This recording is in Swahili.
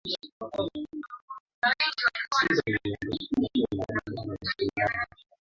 Oscar Nceba Siwali amesema kuhusu Pascoe kupitia barua pepe aliyoituma